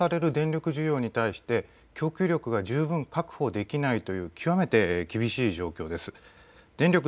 東京電力の管内では想定される電力需要に対して供給力が十分確保できないという極めて厳しい状況です。